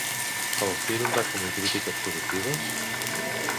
El film va tenir crítiques positives?